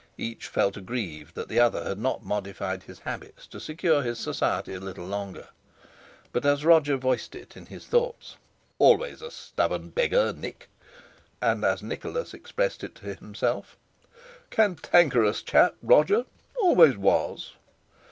Each felt aggrieved that the other had not modified his habits to secure his society a little longer; but as Roger voiced it in his thoughts: "Always a stubborn beggar, Nick!" And as Nicholas expressed it to himself: "Cantankerous chap Roger—always was!"